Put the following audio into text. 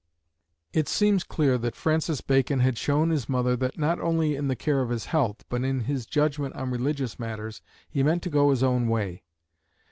It seems clear that Francis Bacon had shown his mother that not only in the care of his health, but in his judgment on religious matters, he meant to go his own way.